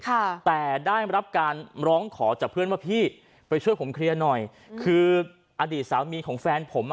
ค่ะแต่ได้รับการร้องขอจากเพื่อนว่าพี่ไปช่วยผมเคลียร์หน่อยคืออดีตสามีของแฟนผมอ่ะ